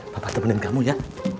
papa temenin kamu ya